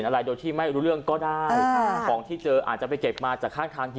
ตัดต่อใส่กระเป๋าครับกระเป๋าที่ขาดไป